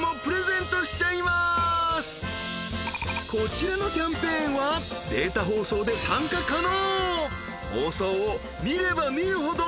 ［こちらのキャンペーンはデータ放送で参加可能］